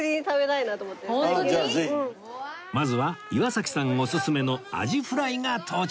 まずは岩崎さんオススメのあじフライが到着